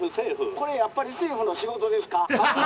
「これやっぱり政府の仕事ですか？」。